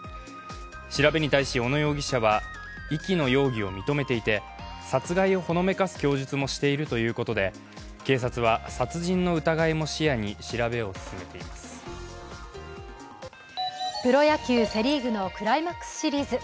調べに対し、小野容疑者は遺棄の容疑を認めていて、殺害をほのめかす供述もしているということで、警察は殺人の疑いも視野にプロ野球セ・リーグのクライマックスシリーズ。